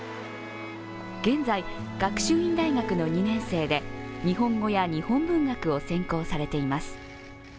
現在、学習院大学の２年生で日本語や日本文学を専攻されています。